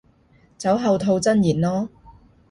酒後吐真言囉